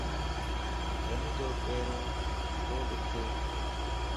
ھنجو پيرو تو ڏک